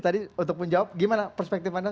tadi untuk menjawab gimana perspektif anda